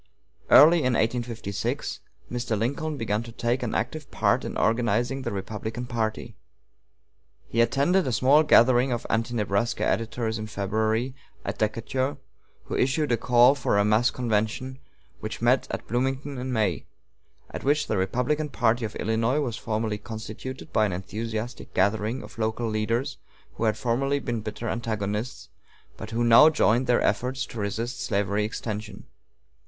Early in 1856 Mr. Lincoln began to take an active part in organizing the Republican party. He attended a small gathering of Anti Nebraska editors in February, at Decatur, who issued a call for a mass convention which met at Bloomington in May, at which the Republican party of Illinois was formally constituted by an enthusiastic gathering of local leaders who had formerly been bitter antagonists, but who now joined their efforts to resist slavery extension.